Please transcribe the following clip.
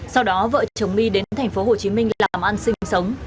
sau đó vợ chồng my đến tp hcm làm ăn sinh sống